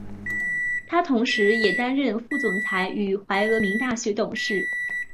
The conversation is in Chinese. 他同时也担任副总裁与怀俄明大学董事。